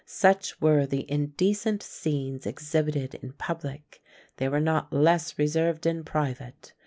Such were the indecent scenes exhibited in public; they were not less reserved in private.